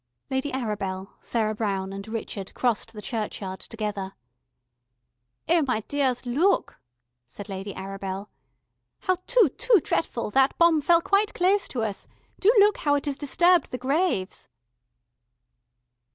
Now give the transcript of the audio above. Lady Arabel, Sarah Brown, and Richard crossed the churchyard together. "Oh, my dears, look," said Lady Arabel. "How too too dretful, that bomb fell quite close to us. Do look how it has disturbed the graves...."